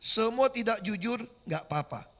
semua tidak jujur enggak apa apa